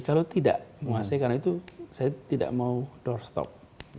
kalau tidak saya tidak mau doorstop